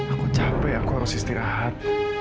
aku capek aku harus istirahat